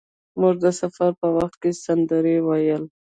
موږ د سفر په وخت کې سندرې ویل.